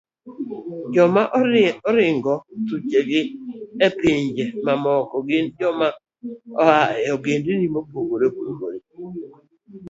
Joma oringo thuchegi a e pinje mamoko gin joma oa e ogendni mopogore opogore